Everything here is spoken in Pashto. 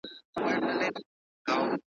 له شپانه سره یې وړي د شپېلیو جنازې دي ,